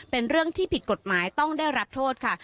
เป็นเรื่องที่ผิดกฎหมายต้องได้รับโทษค่ะ